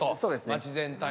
街全体を。